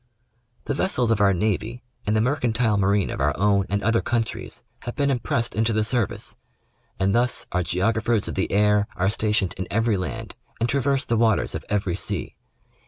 The vessels of our navy and the mercantile marine of our own and other countries have been impressed into the service, and thus our geographers of the air are stationed in every land and traverse the waters of every sea.